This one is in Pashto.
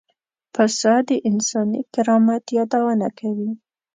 پسه د انساني کرامت یادونه کوي.